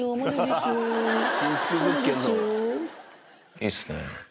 いいですね。